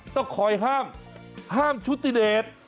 ต้องคอยห้ามห้ามชุติเดช